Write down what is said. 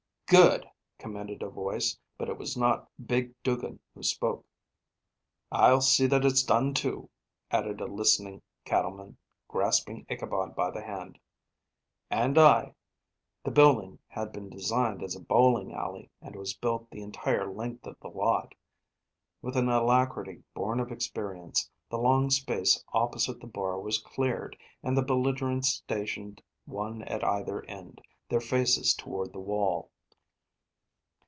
"Good!" commended a voice; but it was not big Duggin who spoke. "I'll see that it's done, too," added a listening cattleman, grasping Ichabod by the hand. "And I." The building had been designed as a bowling alley and was built the entire length of the lot. With an alacrity born of experience, the long space opposite the bar was cleared, and the belligerents stationed one at either end, their faces toward the wall.